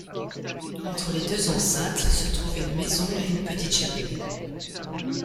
Entre les deux enceintes se trouvent une maison et une petite chapelle.